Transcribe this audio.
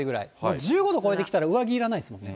１５度超えてきたら上着いらないですもんね。